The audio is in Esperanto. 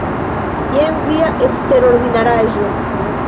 Jen via eksterordinaraĵo.